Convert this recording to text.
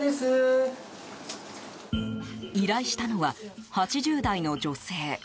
依頼したのは、８０代の女性。